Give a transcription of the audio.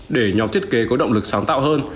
để nhóm thiết kế có động lực sáng tạo hơn